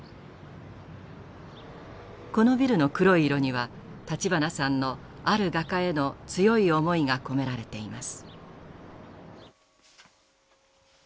このビルの黒い色には立花さんのある画家への強い思いが込められています。